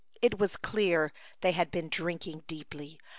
It was clear they had been drinking deeply.